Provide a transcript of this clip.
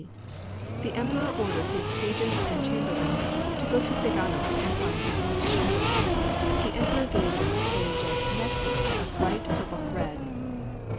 D.], the Emperor ordered his pages and chamberlains to go to Sagano and find some insects. The Emperor gave them a cage of network of bright purple thread.